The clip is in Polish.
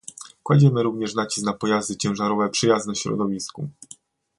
Kładziemy również nacisk na pojazdy ciężarowe przyjazne środowisku